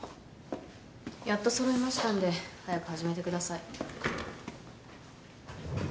やっと揃いましたんで早く始めてください。